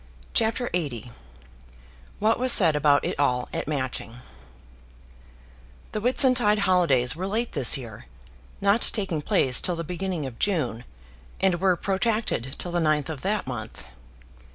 CHAPTER LXXX What Was Said About It All at Matching The Whitsuntide holidays were late this year, not taking place till the beginning of June, and were protracted till the 9th of that month.